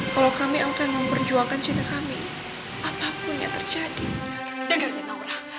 kalau kami akan memperjuangkan cinta kami apapun yang terjadi agar minumlah